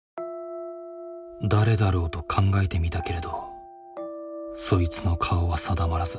誰だろうと考えてみたけれどそいつの顔は定まらず。